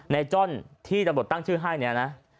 จ้อนที่ตำรวจตั้งชื่อให้เนี่ยนะ